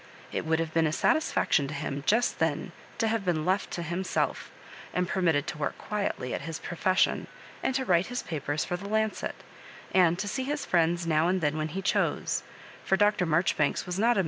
It would have been a satisfaction to him just then to have been left to himself) and per mitted to work on quietly at his profession, and to write his papers for the " Lancet," and to see his friends now and then when he chose ; for Dr. Maijoribanks was not a.